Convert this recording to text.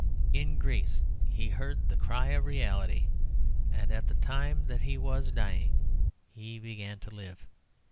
In Greece he heard the cry of reality, and at the time that he was dying, he began to live.